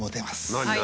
何？